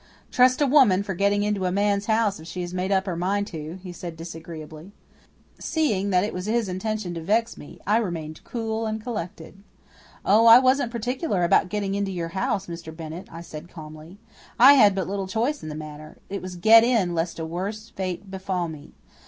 "Trust a woman for getting into a man's house if she has made up her mind to," he said disagreeably. Seeing that it was his intention to vex me I remained cool and collected. "Oh, I wasn't particular about getting into your house, Mr. Bennett," I said calmly. "I had but little choice in the matter. It was get in lest a worse fate befall me.